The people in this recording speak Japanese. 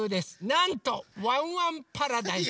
なんと「ワンワンパラダイス」。